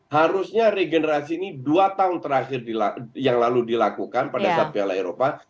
harusnya regenerasi ini dua tahun terakhir yang lalu dilakukan pada saat piala eropa